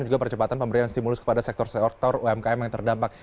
juga percepatan pemberian stimulus kepada sektor sektor umkm yang terdampak